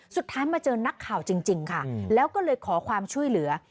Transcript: สุดท้ายมาเจอนักข่าวจริงค่ะแล้วก็เลยขอความช่วยเหลือ